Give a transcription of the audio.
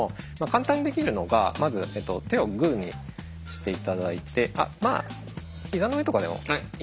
簡単にできるのがまず手をグーにして頂いて膝の上とかでもいいです。